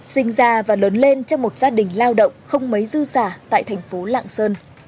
sinh ra và lớn lên trong một gia đình lao động không mấy dư giả tại thành phố lạng sơn